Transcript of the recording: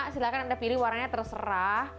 silahkan anda pilih warnanya terserah